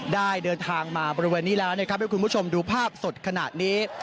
ได้เดินทางมาบริเวณนี้แล้วนะครับให้คุณผู้ชมดูภาพสดขนาดนี้